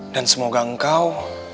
dan semoga engkau